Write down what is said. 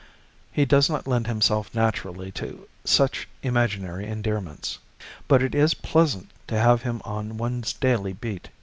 He does not lend himself naturally to such imaginary endearments. But it is pleasant to have him on one's daily beat.